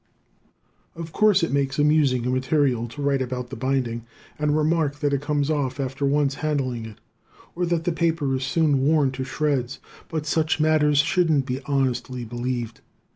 Of course it makes amusing material to write about the binding and remark that it comes off after once handling it, or that the paper is soon worn to shreds, but such matters shouldn't be honestly believed.